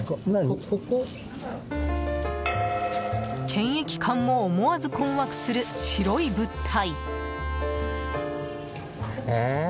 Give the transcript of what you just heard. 検疫官も思わず困惑する白い物体。